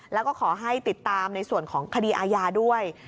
แล้วก็ขอให้ติดตามในส่วนของคดีอาญาด้วย